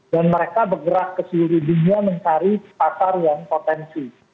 dan mereka bergerak ke seluruh dunia mencari pasar yang potensi